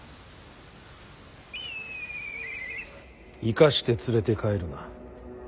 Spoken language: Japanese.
生かして連れて帰るな。